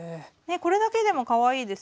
これだけでもかわいいですよね。